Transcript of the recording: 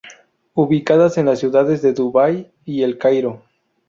Ubicadas en las ciudades de Dubai y El Cairo.